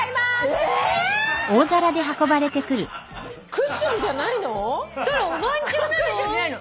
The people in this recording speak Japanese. クッションじゃないの？